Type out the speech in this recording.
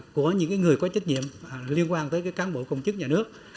của những người có trách nhiệm liên quan tới cán bộ công chức nhà nước